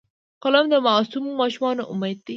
قلم د معصومو ماشومانو امید دی